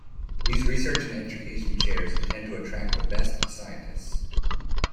These Research and Education Chairs intend to attract the best scientists.